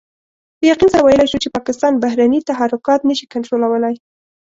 په يقين سره ويلای شو چې پاکستان بهرني تحرکات نشي کنټرولولای.